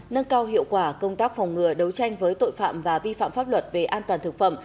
nâng cao hiệu quả công tác phòng ngừa đấu tranh với tội phạm và vi phạm pháp luật về an toàn thực phẩm